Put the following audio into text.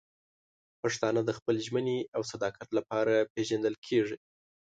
پښتانه د خپل ژمنې او صداقت لپاره پېژندل کېږي.